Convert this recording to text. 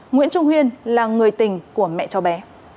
nguyễn trung huyên là người tình của mẹ cháu bé